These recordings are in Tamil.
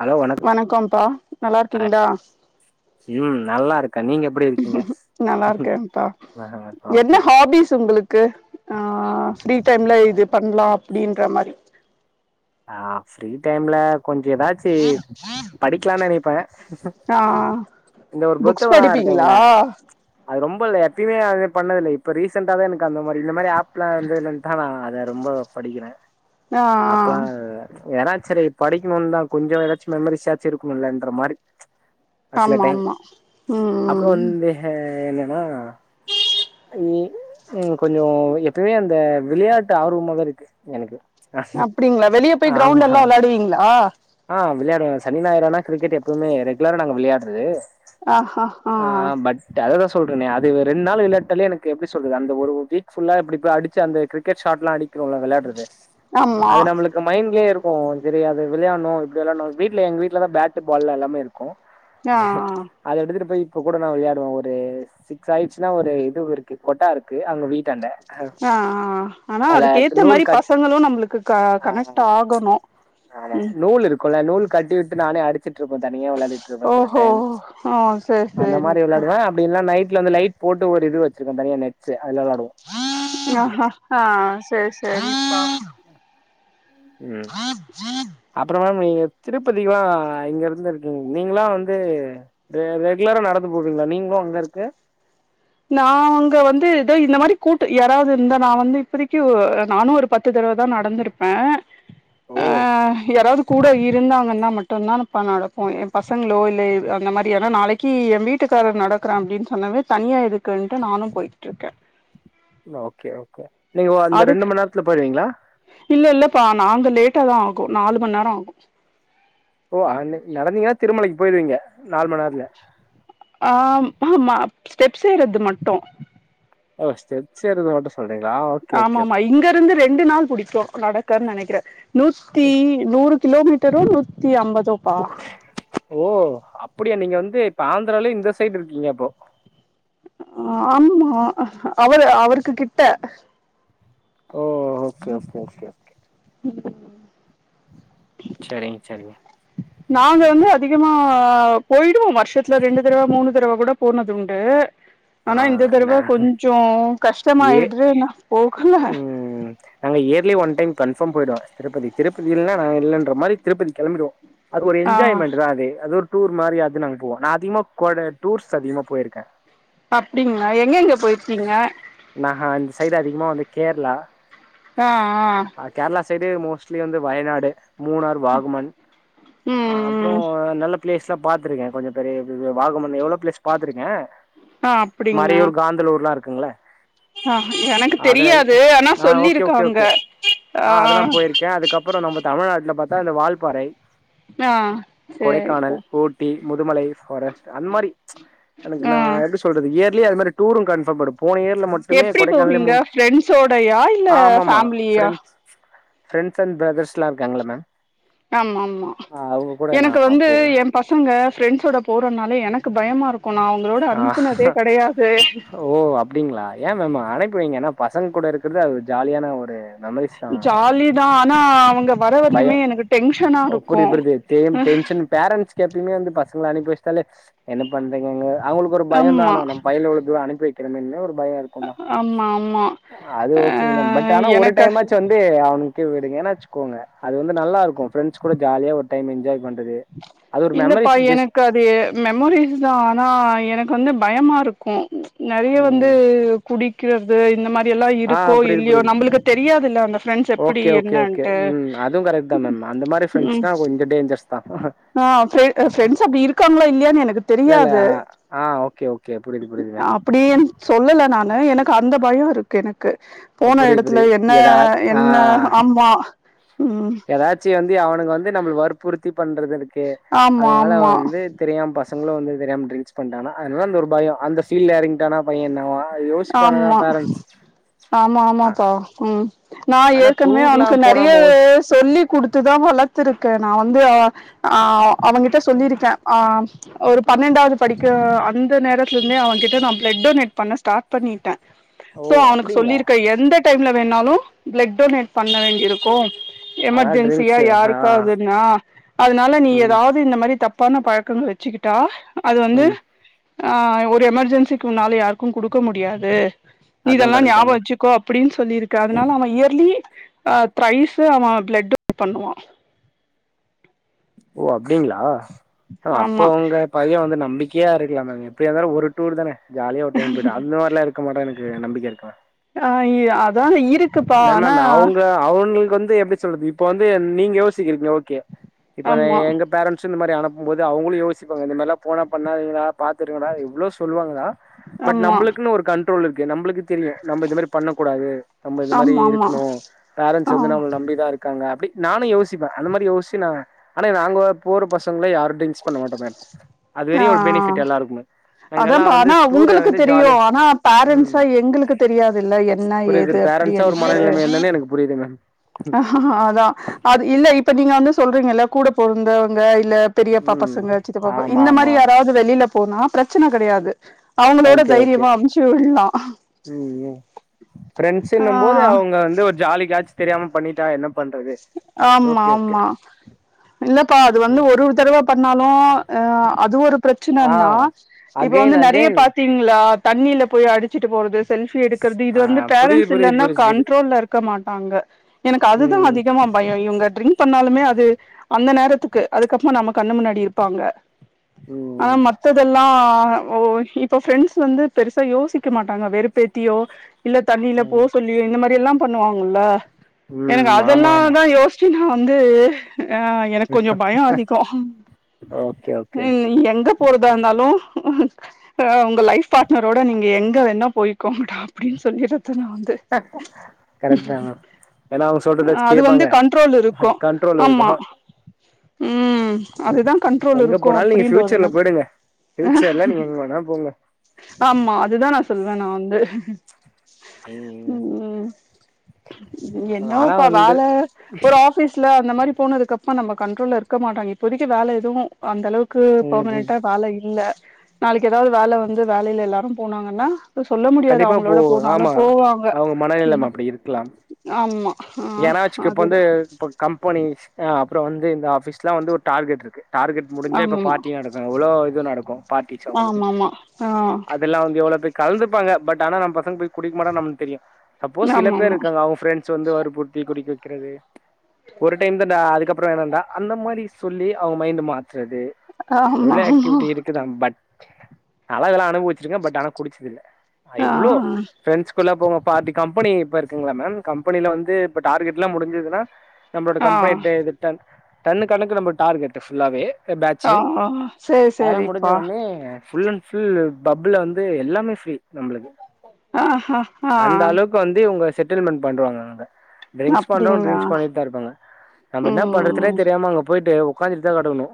ஹலோ வணக் வணகோப்பா நல்லார்க்கீங்ளா ம் நல்லா இருக்கே நீங்க எப்டி இருக்கீங்க நல்லாருக்கேன்ப்பா ஆஹா, என்ன ஓகே ஹாபிஸ் உங்ளுக் கு ஆ ஃப்ரீ டைம்ல இது பண்லா அப்டின்ற மாரி ஆ ஃப்ரீ டைம்ல கொஞ்ச் ஏதாச்சி படிக்லா நெனைப்பே ஆ இந்த ஒரு புக்ஸ் புத்தகோலா படிப்பீங்ளா இருக்குங்கள அது ரொம்பல்ல எப்யுமே அது பண்ணதில்ல இப்ப ரீசன்ண்டா தா எனக் அந்த மாரி இந்த மாரி ஆப் ப்லா இந்துனு தானா அத ரொம்போ படிக்கிற ஆ ஆ எனா ச்செரி படிக்கணுன் தா கொஞ்சு ஏதாச்சு மெமரிஸ் சாச்சுருக்கணுயெல்லன்ற மாரி அ சில ஆமா டைம் ஆமா அப்றோ ம் வந்து ஹ என்னன்னா அ இன் ம் கொஞ்சோ எப்பமே அந்த விளையாட்டு ஆர்வமா தா இருக்கு எனக்கு ஆஸ் அப்டிங்களா வெளிய போயங கிரௌண்ட்லலா வெளாடுவீங்ளா ஆ விளையாடுவ சனி நாயிர் ஆனா க்ரிக்கெட்டு எப்புமே ரெகுலரா நாங்க விளாயாட்று ஆ பட் ட்ட அரெரோ சொல்றனே அது ரெண் நாள் வெளாட்டாலே எனக்கு எப்டி சொல்லுது அந்த ஒரு ஒரு வீக் ஃபுல்லா எப்டி போ அடிச்சி அந்த க்ரிக்கெட் ஷாட்லா அடி க்யுவ்ல வெளாட்றது ஆமா அது நம்மளுக்கு மைண்லே இருக்கு சரி அது விள்யா ன்னு இப்டி வெளாட்னு வீட்ல எங்க வீட்லதா தா பேட்டு பால்லா எல்லாமே இருக்கு ஆ ஜ ஆ அத எடுத்துட்டு போய் இப்ப கூட நா விளையாடுவே ஒருஸ் சிக்ஸ் ஆய்ச்சுனா ஒரு இதுவ் இருக்கு கொட்டா இருக்கு அங்க வீட்டாண்ட ஆ ஆ ஆனா அதுல அதுக்கேத்த நூல் மாரி கட் பசங்களு நம்ளுக்கு க ஆ கனக்ட் ஆகணு ஆமா ம் நூல் இருக்குல்ல நூல் கட்டிவிட்டு நானே அடு த்துட்ருப்ப தனியா வெளாடிட்ருப்ப சில ஓஹோ டைம் ஸ் ஆ சேரி அந்த மாரி சேரிப்பா வெளாடுவேம் அப்டின்னா நைட்ல அந்த லைட் போட்டு ஒரு இது வச்சிருக்க தனியா நெட்ஸ்சு அதுல வெளாடுவோ அ ஹ ஹா சர் சரிப்பா ம் அப்றோ மேம் நீங்க திருப்பதிக்லா இங்கருந்து இருக்கீங் நீங்லா வந்து ரெ ரெகுலரா நடந்து போவிங்ளா நீங்ளு அங்க இருக்கு நாங்க வந்து இதோ இந்த மாரி கூட்டு யாராவ்து இருந்தா நா வந்து இப்பதிக்யு நானு ஒருப் பத்து தடவ தா நடந்துருப்பே ஆ ஓ யாராது கூட இருந்தாங்கன்னா மட்டுன்தா இப்ப நடப்போ என் பசங்ளோ இல்லேய் அந்த மாரியனா நாளைக் கி எ வீட்டுக்காரர் நடக்குறான் அப்டின் சொன்னாவே தனியா எதுக்குன்ட்டு நானு போய்ட்ருக்க லோ ஓகே ஓகே நீங்க ஓ அந்த அதுக்கு ரெண்டு மண்நேரத்துல போய்ருவீங்ளா இல்ல இல்லப்பா நாங்க லேட்டாதா ஆகு நாலு மண்நேர ஆகு ஓ ஆன்னெ நடந்தீங்கனா திருமலைக்கு போய்ர்விங்க நால் மண்நேத்துல ஆம் ஆமா ஸ்டெப்ஸ் ஏறது மட்டு ஓ ஸ்டெப்ஸ் ஏறது மட்டு சொல்றீங்களா ஓகே ஆமா ஓகே ஆமா ஓகே இங்கேருந்து ரெண்டு நாள் புடிக்கு நடக்க நெனக்கிற நூத்தி நூறுக் கிலோமீட்டரோ நூத்தி அம்பதோப்பா ஓ அப்படியா நீங்க வந்து இப்ப ஆந்திராலே இந்த சைடு இருக்கீங்க அப்போ அ ஆமா அவரு அவருக்கு கிட்ட ஓ ஓகே ஓகே ஓகே ம் செரிங்க செரிங்க நாங்க வந்து அதிகமா போய்டுவோ வர்ஷத்துல ரெண்டு தடவ மூணு தடவ கூடப் போனது உண்டு ஆ ஆனா இந்த தடவ நா கொஞ்சோ ஏ கஷ்டமாயிட்று நா போகல ம் நாங்க இயர்லி ஒன் டைம் கன்ஃபாம் போயிடுவோ திருப்பதி திருப்பதி இல்லன்னா நாங்க இல்லன்ர மாரி திருப்பதி கிளம்பிடுவோ அது ஒரு ஆ என்ஜாய்மெண்ட் தா அது அது ஒரு டூர் மாரி அது நாங்க போவோ நா அதிகமா கொட டூர்ஸ் அதிகமா போயிருக்கே அப்டிங்களா எங்கெங்க போயிர்க்கீங்க நாஹ இந்த சைடு அதிகமா வந்து கேர்ளா ஆ ஆ அ கேரளா சைடு மோஸ்ட்லி வந்து வயநாடு மூணாறு வாகுமன் ம் அப்புற ம் நல்ல பிளேஸ் ச்ச பாத்திருக்கே கொஞ்ச பெரிய வாகமன் எவ்ளோ பிளேஸ் பாத்துருக்கே ஆ அப்டிங்களா மறையூர் காந்தலூர்லா இருக்குங்கள ஆ எனக்கு அதல் தெரியாது ஆனா ஆ ஓகே ஓகே சொல்லிருக்காங்க ஓகே ஆ அதெல்லா போயிருக்கே அதுக்கப்புற நம்ம தமிழ்நாட்டுல பாத்தா இந்த வால்பாறை ஆ செரிப்பா டி முதுமலை ஃபாரஸ்ட் அந்த மாரி எனக்கு ஆ நா எப்டி சொ ல்றது இயர்லி அது மாறி டூரு கன்ஃபாம் போயிடு போன இயர்ல மட்டுமே எப்டி கொடை போவீங்க நல்லமூட் ஃப்ரெண்ட்ஸோடயா இல்ல ஆமாமா ஃபேமிலியா ஃப்ரெண்ட்ஸ் ஃப்ரெண்ட்ஸ் அண்ட் பிரதர்ஸ்லா இருக்காங்கல்ல மேம் ஆமா ஆமா அவங்க கூட நா எனக்கு வந்து போவே எம் பசங்க ஃப்ரெண்ட்ஸோட போறனாலே எனக்கு பயமா இருக்கு நா அவுங்களோட ஆ அனுப்புனதே கெடையாது ஓ அப்டிங்களா ஏன் மேம் அனுப்பி வைங்க ஏன்னா பசங்க கூட இருக்கறது அது ஜாலியான ஒரு மெமரீஸ் ஜாலி தா ஆனா அவுங்க வர வரைக்குமே பயம் எனக்கு டென்ஷனா இருக்கு புரிது புரிது தேம் டென்ஷன் பேரண்ட்ஸ்க்கு எப்பயுமே வந்து பசங்கள அனுப்பி வெச்சுட்டாலே என்ன பண்றீங்க அ ங்க அவுங்களுக்கு ஒரு பயோ ஆமா தான மேம் பயலுவழுக்குள்ள அனுப்பி வெக்கறமேன்னு ஒரு பய இருக்குந்தா ஆமா ஆமா அது ஆ ஓகேதா பட் ஆனா ஒரு எனக்கு டைமாச்சு வந்து து அவனுக்கே விடுங்கன வச்சுகோங்க அது வந்து நல்லா இருக்கு ஃப்ரெண்ட்ஸ் கூட ஜாலியா ஒரு டைம் என்ஜாய் பண்றது அது ஒரு இல்லப்பா மெமரிஸ் ஜஸ்ட் எனக் கு அது மெமோரீஸ் தா ஆனா எனக்கு வந்து பயமா இருக்கு நறைய வந்து ம் குடிக்கிறது இந்த மாரி ரி எல்லா ஆ இருக்கோ புரியுது இல்லையோ புரியுது நம்மளுக்கு தெரியாது இல்ல அந்த ஃப்ரெண்ட்ஸ் எப்படி ஓகே ஓகே ஓகே என்னன்ட்டு ம் அதுவு கரெக்ட் தா மேம் அந்த மாரி ம் ஃப்ரெண்ட்ஸ்னா கொஞ்ச டேஞ்சரஸ்தா ஆ ஃப்ரெ ஃப்ரெண்ட்ஸ் அப்டி இருக்காங்களா இல்லையான்னு எனக்கு இல்ல இல்ல தெரியாது ஆ ஓகே ஓகே புரியுது புரியுதுங்க அப்டியே சொல்லல நானு எனக்கு அந்த பயோ இருக்கு எனக்கு போன புரியுது எடத்துல புரியுது என்ன எதா ஆ என்ன ஆமா ம் எதாச்சி வந்து அவனுங்க வந்து நம்ம வற்புறுத்தி பண்றது இருக்கு ஆமா அதுனால வந்து தெரியாம பசங்களும் வந்து தெரியாம டிரிங்ஸ் பண்டாங்கனா அதனால அந்த ஒரு பயோ அந்த ஃபீல்ல எறங்கிட்டானா பையன் என்னாவா யோசிப்பாங்கதா ஆமா பேரண்ட்ஸ் ஆமா அ ஆமாப்பா ம் நா ஆனா ஏற்கனவே டூர்லா அவுனுக்கு போனா நறைய மோஸ் சொல்லி குடுத்துதா வளர்த்துருக்க நா வந்து ஆ அ அவங்கிட்ட சொல்லியிருக்க அ ஒரு பன்னெண்டாவது படிக்க அந்த நேரத்துலே இருந்தே அவன் கிட்ட நா ப்ளட் டொனேட் பண்ண ஸ்டார்ட் பண்ணிட்ட ஓ சோ அவனுக்கு அப்டிங்களா சொல்லிருக்க எந்த டைம்ல வேணாலு பிளட் டொனேட் பண்ண வேண்டிய இருக்கு ஆனா எமர்ஜென்சியா ட்ரிங்க்ஸு ஆ யாருக்காவுதுன்னா அதனால நீ ம் ஏதாவது இந்த மாரி தப்பான பழக்கங்கள் வ வச்சக்கிட்டா அது வந்து ம் அ ஒரு எமர்ஜென்சிக்கு உன்னால யாருக்கு குடு க்க முடியாது நீ அதுவு இதெல்லா கரெக்ட் தா ஞாபோ மேம் வச்சு க்கோஅப்டின்னு சொல்லிருக்க அதனால அவ இயர்லி அ த்ரைஸ்ஸு அவ பிளட் டொனேட் பண்ணுவா ஓ அப்டிங்களா அ ஆமா அப்ப உங்க பைய்ய வந்து நம்பிக்கையா இருக்கலாமேங்க எப்படியா இருந்தாலு ஒரு டூர் தான ஜாலிய ஒரு டைம் போயிட்டு அந்த மாரில்லா இருக்க மாட்டா எனக்கு நம்பிக்கை இருக்குமா ஆ இ அதான இருக் என்னா மேம் அவுங்க அவனுங்களுக்கு வந்து எப்டி சொல்றது இப்ப வந்து நீங்க யோசிக்கிறீங்க ஓகே இப்பவே ஆமா எங்க பேரண்ட்ஸ் சு இந்த மாரி அனுப்பும் போது அவுங்களு யோசிப்பாங்க இந்த மாரிலா போன பண்ணாதீங்கடா பாத்து இருங்கடா எவ்ளோ சொல்லுவாங்கதா பட் ஆமா நம்பளுக்குன்னு ஒரு கண்ட்ரோல் இருக்கு நம்பளுக்கு தெரியு நம்ப இது மாரி பண்ண கூடாது நம்ப இது மாரி ஆமா ஆமா இருக்கணு பேரண்ட்ஸ்சு ஆ வந்து நம்பள நம்பிதா இரு க்காங்க அப்டி நானு யோசிப்ப அந்த மாரி யோஸ்ச்சு நா ஆனா நாங்க போற பசங்கள யாரு டிரிங்க்ஸ் பண்ண மாட்டோ மேம் அது ஆ வரையு ஒரு பெனிஃபிட் எல்லாருக்குமே நாங்கெல்லா அதாப்பா வந்து ஆனா டூர உங்களுக்கு வந்து தெரியு ஜாலியா ஆனா ம் பேரண்ட்ஸா எங்களுக்கு தெரியாதுல என்ன ஏது புரியுது பேரண்ட்ஸா ஒரு மனநிலைமை அப்டின்ட்டு என்னன்னு எனக்கு புரியுது மேம் ஹ அதா அது இல்ல இப்ப நீங்க வந்து சொல்றீங்கல்ல கூட பொறந்தவங்க இல்ல பெரியப்பா ம் பசங்க சித்தப்பா ப ஆமா இந்த ஆமா மாரி யாராவது வெளியில போனா பிரச்சன கடையாது. அவுங்களோட ஓகே ஓகே தைரியமா அமுச்சு விடலா ஃப்ரெண்ட்ஸ்ஸு என்னும் போது ஆ அவுங்க வந்து ஒரு ஜாலிக்காச்சு தெரியாம பண்ணிட்டா என்ன பண்றது ஆமா ஓகே ஓகே ஆமா. இல்லப்பா அது வந்து ம் ஒரு ஒரு தடவ பண்ணாலு அ அது ஒரு ஆ பிரச்சனன்னா அகைன் அங் நறைய பாத்தீங்களா தண்ணில போய் அடிச்சிட்டு போறது. செல்ஃபி எடுக்கிறது இது ஆ வந்து புரியுது பேரண்ட்ஸ் புரியுது இல்லன்னா புரியுது புரியுது கண்ட்ரோல்ல இருக்க மாட்டாங்க எனக்கு அதுதா ம் அதி கமா பயோ இவுங்க ட்ரிங்க் பண்ணாலுமே அது அந்த நேரத்துக்கு அதுக்கப்மா நம்ம கண்ணு முன்னாடி இருப்பாங்க. ஆனா ம் மத்ததெல்லா ஓ இப்ப ஃப்ரெண்ட்ஸ் வந்து பெருசா யோசி. க்க மாட்டாங்க வெறுப்பேத்தியோ இல்ல தண்ணில போ ம் சொல்லியோ இந்த மாரி எல்லா பண்ணுவாங்கல்ல ம் ஆமா ஆமா. இது யோஷ்சினா வந்து‌ அ எனக்கு கொஞ்சோ பயோ அதிகோ ஓகே ஓகே இ எங்க போறதா இருந்தாலு அ உங்க லைஃப் பார்ட்னரோட நீங்க எங்க வேனா போயிக்கோங்கடா அப்டின்னு சொல்லிறது அத்தன வந்து கரெக்ட் தா ஏன்னா அவங்க சொல்றதாச்சு அது வந்து கேப்பாங்க கண்ட்ரோல் இருக்கு கண்ட்ரோல் ஆமா. இருக்கு ம் அதுதா கண்ட்ரோல் இருக்கு அப்டின்ற ஒரு நம் ஃபியூச்சர்ல்ல நீங்க எங்க வேணா போங்க. ஆமா அதுதா நா சொல்லுவ நா வந்து. ம் ம் இது ஆனா என்னவோபா வந்து வேல ஒரு. ஆஃபீஸ்ல அந்த மாரி போனதுக்கு அப்பம நம்ம கண்ட்ரோல இருக்க மாட்டாங்க இப்போதைக்கு வேல எதுவு அந்த அளவுக்கு ம் ம் பர்மனென்ட்டா வேல இல்ல நாளைக்கக ஏதாது வேல வந்து வேலையில எல்லாரு போனாங்கன்னா. இப்ப சொல்ல முடியாது கண்டிப்பா போ அவுங்களோட போனாலு ஆமா போவாங்க அவங்க மனநிலைமை ம் ஆமா ஆ ஏனா வெச்சுக்க இப்ப வந்து அதுதா இப்ப கம்பெனிஸ் அ அப்றோ வந்து இந்த ஆஃபீஸ்லா வந்து ஒரு டார்கெட் இருக்கு டார்கெட் முடிஞ்சா இப்ப ஆமாமா பார்ட்டி நடக்கு எவ்ளோ இது நடக்கு பார்ட்டிஸ் அவுங்களுக்கு ஆமாமா ஆ அது அப்பில்லா வந்து எவ்ளோ கலந்துப்பாங்க பட் ஆன நம் பசங்க போய் குடிக்க மாட்டங் நம்ளுக் தெரியு சப்போஸ் சில பேர் ஆமாமா இருக்காங்க அவுங்க ஃப்ரெண்ட்ஸ் வந்து வற்புறுத்தி குடி வெக்கிறது. ஒரு டைம் தான்ண்டா அதுக்கப்புறம் வேணாம்டா அந்த மாரி சொல்லி அவுங்க மைண்ட் மாத்துறது. ஆமா எவ்ளோ ஆமா ஆக்டிவிட்டி இருக் க்கு தா பட் நால்லா இதெல்லா அனுபவிச்சிருக்கே பட் ஆன குடிச்சதில்ல ஆ எவ்ளோ ஃப்ரெண்ட்ஸ் ல்ல போவாங் பார்ட்டி கம்பெனி இப்ப இருக்குங்கள மேம் கம்பெனில வந்து இப்ப டார்கெட்லா முடிஞ்சிதுனா நம்மளோட ஆ கம்பெனிட்ட இது டன் டன்னு கணக்குல நம்ம டார்கெட் ஃபுல்லாவே ஆ பேட்ச்சு சேரி அதெல்லா முடிஞ்ச சேரிப்பா ஒட்னே ஃபுல்லன் ஃபுல் ஃபுல் பப்புல வந்து எல்லாமே ஃப்ரீ நம்மளுக்கு ஆஹா ஆ அந்த அளவு ளவு வந்து இவுங்க செட்டில்மெண்ட் பண்றுவாங்க அவுங்க ட்ரிங்க்ஸ் பண்றவங்க அப்டிங்களா ட்ரிங்க்ஸ் பண்ணிட்டு தா இருக்காங்க நம்ம என்ன பண்றதுனே ம் தெரியாம அங்க போயிட்டு ஒக்காந்துட்டுதா கெடக்கனு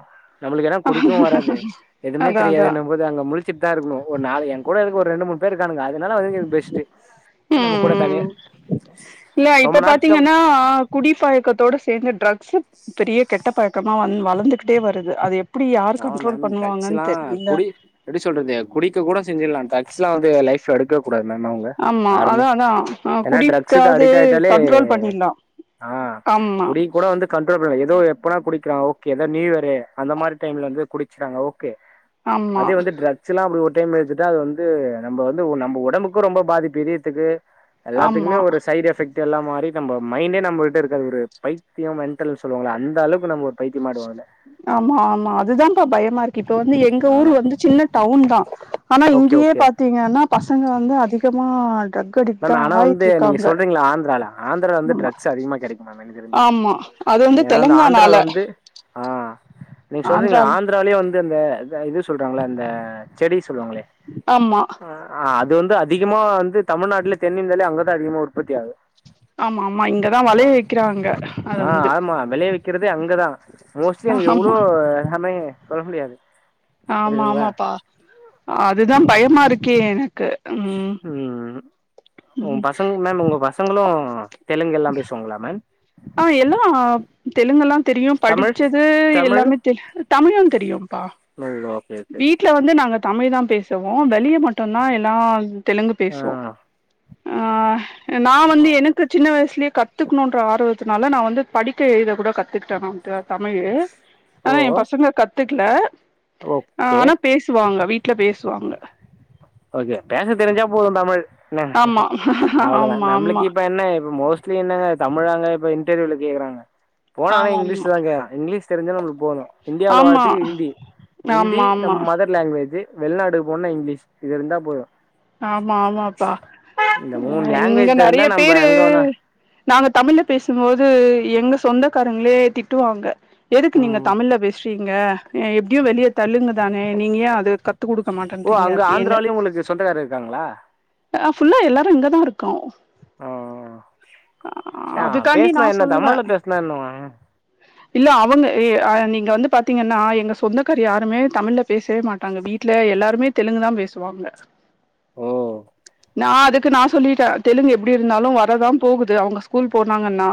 நம்மளுக்கு ஏனா குடிக்கவு வராது எதுவுமே அதா தெரியாது அதா நம்ம போது அங்க முழிச்சிட்டுதா இருக்கனு ஒரு நாலு என்கூட இருக்க ஒரு ரெண்டு மூணு பேரு இருக்கானுங்க அது இதனால அதுக்கு இது பெஸ்ட்டு நம்ம ம் கூட தனியா ம் இல்ல இப்ப ரொம்ப நாள் பாத்தீங்கன்னா குடிப்பழக்கத்தோட சேந்து ட்ரக்ஸ்சு பெரிய கெட்டபழக்கமா வந் வளந்துகிட்டே வருது அது எப்டி யார் ஆமா கண்ட்ரோல் மேம் பண்ணுவாங்கன்னு ட்ரக்ஸ்லா தெரில குடி எப்டி சொல்றது குடிக்க கூட செஞ்சிட்லா ட்ரக்ஸ்லா வந்து லைஃப் ஆமா அதா அதா அ ஏன்னா ட்ரக்ஸுக்கு குடிக்காது அடிக்ட் ஆயிட்டாலே கண்ட்ரோல் பண்ணிட்லா ஆ ஆமா குடி கூட வந்து கண்ட்ரோல் பண்ணலா ஏதோ எப்பனா குடிக்கிறாங்க ஓகே ஏதோ நியூ இயரு அந்த மாரி டைம்ல வந்து குடிச்சிட்றாங்க ஓகே ஆமா அதே வந்து ட்ரக் சிலாம் அப்டி ஒரு டைம் எடுத்துட்டா அது வந்து நம்ப வந்து நம்ப ஒடம்புக்கு ரொம்ப பாதிப்பு இதயத்துக்கு ஆமா எல்லாத்துக்குமே ஒரு சைட் எஃபெக்ட் எல்லா மாரி நம்ப மைண்டே நம்மட்ட இருக்காது ஒரு பைத்தியோ மென்டல் சொல்லுவாங்கல்ல அந்த அளவுக்கு நம்போ பைத்தியமாயிடுவோ அதல ஆமா ஆமா அதுதாம்பா பயமாயிருக்கு இப்ப வந்து எங்க ஊரு ஆமா வந்து சின்ன டவுன் தா ஆனா ஓகே இங்கயே ஓகே பாத்தீங்கன்னா பசங்க வந்து அதிகமா டிரக் அடிக்ட் மேம் தா ஆனா வந்து நீங்க ஆயிட்டிருக்காங்க சொல்றீங்களா ஆந்திரால ஆந்திரால வந்து ஆமா ட்ரக்ஸ் அதிகமா கெடைக்கும் மேம் எனக்கு தெரிஞ்சு ஆமா அது வந்து ஏன்னா அந்த ஆந்திரால தெலுங்கானால வந்து ஆ நீங்க சொல்றீங்களே ஆந்திரால ஆந்ராலேயே வந்து அந்த அந்த இது சொல்றாங்களே அந்த செடி சொல்லுவாங்களே ஆமா ஆ அது வந்து அதிகமா வந்து தமிழ்நாட்டுல தென் இந்தியாலையே அங்கதா அதிகமா உற்பத்தி ஆகுது ஆமா ஆமா இங்கதா ஆ வெளைய வெக்கிறாங்க அத ஆ வந்து ஆமா வெளைய வெக்கிறதே அங்கதா மோஸ்ட்லி அங்க எவ்ளோ ஆமா அமே சொல்ல முடியாது ஆமா புரியுதுங்களா ஆமாப்பா அதுதா பயமா இருக்கே எனக்கு ம் ம் ஒ ம் பசங்ளா நுங்க பச சங்களு தெலுங்கெல்லா பேசுவாங்களா மேம் ஆ எல்லா தெலுங்கெல்லா தெரியு தமிழ் படிச்சது தமிழ் எல்லாமே தெலு தமிழும் தெரியும்பா தமிழ் ஓகே ஓகே ஓகே வீட்ல வந்து நாங்க தமிழ் தா பேசுவோ வெளிய மட்டுந்தா எல்லா தெலுங்கு பேசுவோ ஆ ஆ நா வந்து எனக்கு சின்ன வயசுலே கத்துக்ணுன்ற ஆர்வ த்துனால நா வந்து படிக்க எழுத கூட கத்துகிட்டே நா த தமிழு ஓ ஆனா எ பசங்க கத் த்துக்கல ஆ ஓகே ஆனா பேசுவாங்க வீட்ல பேசுவாங்க ஓகே பேச தெரிஞ்சா போது தமிழ் மேம் ஆமா அவளதா ஆமா ஆமா நம்ளுக்கு இப்ப என்ன இப்ப மோஸ்ட் ஸ்ட்லி என்னங்க தமிழாங்க இப்ப இன்டர்வியூல கேக்குறாங்க போலானா ஆமாமா இங்லீஷ் தா கேக்குறா இங்லீஷ் தெரிஞ்சா நம்மளுக்கு போது இன்டியால ஆமா வாழற்த்துக்கு ஹிந்தி இந்தி ஆமா ஆமா நம்ம மதர் லாங்குவேஜு வெளிநாடுக்கு போன்னா இங்லீஷ் இது இருந்தா போது ஆமா ஆமாப்பா இந்த மூணு அ இங்க லாங்குவேஜ் தெரிஞ்சா நெறைய நம்ம பேரு எங்க வேணா நாங்க தமிழ்ல பேசும் போது எங்க சொந்தக்காரங்களே திட்டுவாங்க எதுக்கு நீங்க ம் தமிழ்ல பேசுறீங்க அ எப்டியு வெளிய தெலுங்கு தானே நீங்கயே அது க த்துகுடுக்க மாட்டேன்றீங்க அப்டியின்னு சொந்தக்கார இருக்காங்ளா அ ஃபுல்லா எல்லாரு இங்கதா இருக்கோ யா அதுக்காண்டி பேசுனா நா என்ன சொல்லுவே தமிழ்ல பேசுனா என்னவா இல்ல அவுங்க எ அ நீங்க வந்து பாத்தீங்கனா எங்க சொந்தக்காரு யாருமே தமிழில பேசவே மாட்டாங்க வீட்ல எல்லாருமே தெலுங்கு தா பேசுவாங்க ஓ நா அதுக்கு நா சொல்லிட்டே தெலுங்கு எப்டி இருந்தாலு வரதா போகுது அவுங்க ஸ்கூல் போனாங்கன்னா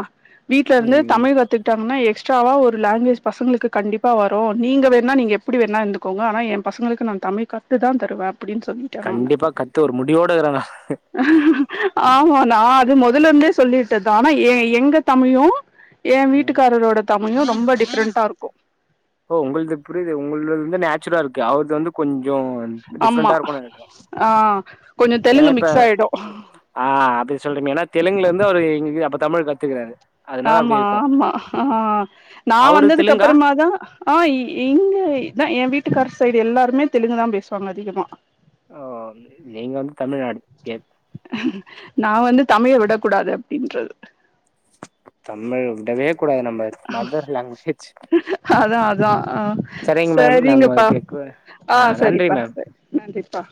வீட்ல இருந்து ம் தமிழ் கத்துக் டம்னா எக்ஸ்ட்ராவா ஒரு லாங்குவேஜ் பசங்களுக்கு கண்டிப்பா வரு நீங்க வேணா நீங்க எப்டி வேணா இருந்துக் கோங்க ஆனா எ பசங்களுக்கு நா தமிழ் காத்து தா தருவே அப்டின் சொல்லி கண்டிப்பா கத்து ஒரு முடிவோடு இருக்றாங்க ஆமா நா அது மொதல இருந்தே சொல்லிட்டேதா ஆனா எ எங்க தமிழு எ ம் வீட்டுக்காரரோட தமிழு ரொம்ப டிஃப்ரெண்ட்டா இருக்கு ஓ உங்கள்து புரியுது உங்கள்து வந்து நேச்சுரா இருக்கு அவரது வந்து கொஞ்ச ஆமா டிஃப்ரெண்டா இருக்குணு நெனைக் ஆ கொஞ்சம் ஏனா தெலுங்கு இப்ப மிக்ஸ் ஆயிடும் ஆ அப்டி சொல்றீங்க ஏனா தெலுங்குல இருந்து அவரு இங்க அப்ப தமிழ் கத்துக்குறாரு அதனால ஆமா அப்டி இருக்கும் ஆமா ஆ நா அவரு வந்ததுக்கு தெலுங்கா அப்பறமாதா ஆ இ இங்க இதா எ வீட்டுக்காரு சைடு எல்லாருமே தெலுங்கு தா பேசுவாங்க அதிகமா ஓ நீங்க வந்து தமிழ்நாடு எ நா வந்து தமிழ விடக் கூடாது அப்டின்றது தமிழ் விடவே கூடாது நம்ப மதர் லாங்குவேஜ் அதா அதா ஆ செரிங்க மேம் நம்ம சரிங்கப்பா கேக்கு ஆ செரிப்பா செரி நன்றிப்பா